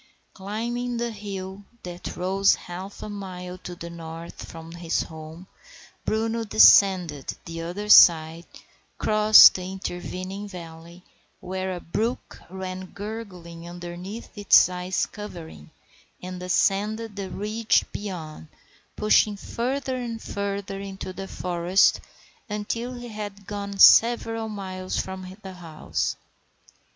Climbing the hill that rose half a mile to the north from his home, Bruno descended the other side, crossed the intervening valley, where a brook ran gurgling underneath its icy covering, and ascended the ridge beyond, pushing further and further into the forest until he had gone several miles from the house.